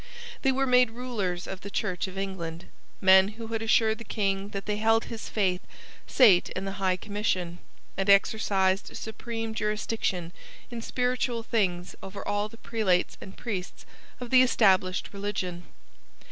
They were made rulers of the Church of England. Men who had assured the King that they held his faith sate in the High Commission, and exercised supreme jurisdiction in spiritual things over all the prelates and priests of the established religion.